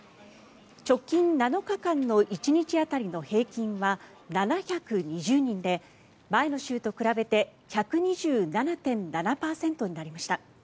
直近７日間の１日当たりの平均は７２０人で前の週と比べて１２７．７％になりました。